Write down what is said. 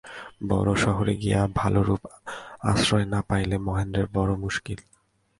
বড়ো শহরে গিয়া ভালোরূপ আশ্রয় না পাইলে মহেন্দ্রের বড়ো মুশকিল।